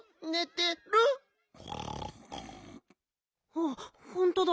あっほんとだ。